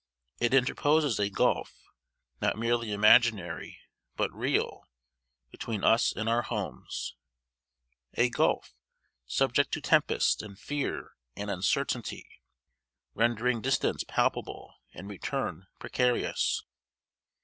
It interposes a gulf, not merely imaginary, but real, between us and our homes a gulf, subject to tempest, and fear, and uncertainty, rendering distance palpable, and return precarious.